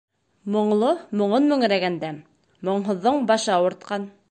Моңло моңон мөңрәгәндә, моңһоҙҙоң башы ауыртҡан.